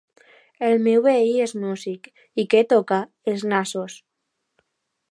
-El meu veí és músic. -I què toca? -Els nassos.